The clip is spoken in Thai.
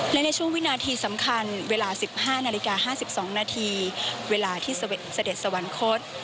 และในช่วงวินาทีสำคัญเวลา๑๕นาฬิกา๕๒นาทีเวลาที่เสด็จสวรรคต